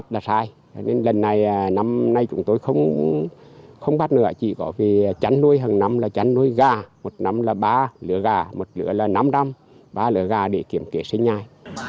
thế nhưng giờ đây người đàn ông đã chuyển sang nghề cơ khí